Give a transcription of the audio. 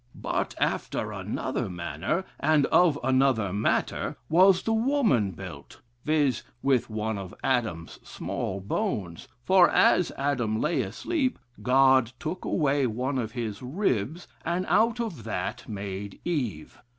"But after another manner, and of another matter, was the woman built viz., with one of Adam's small bones, for as Adam lay asleep, God took away one of his ribs, and out of that made Eve.